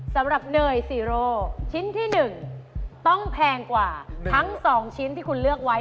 สำหรับเนยซีโร่ชิ้นที่๑ต้องแพงกว่าทั้ง๒ชิ้นที่คุณเลือกไว้